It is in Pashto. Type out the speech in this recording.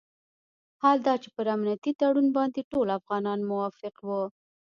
حال دا چې پر امنیتي تړون باندې ټول افغانان موافق وو.